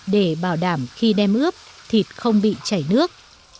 để bảo đảm khi đem ướp thịt không bị chảy nước